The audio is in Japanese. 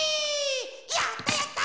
やったやった！